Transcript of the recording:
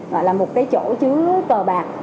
gọi là một cái chỗ chứa cờ bạc